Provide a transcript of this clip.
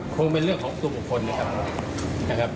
คงเป็นเรื่องของตัวบุคคลนะครับ